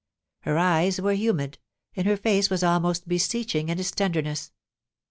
Her eyes were humid, and her face was almost beseeching in its tenderness.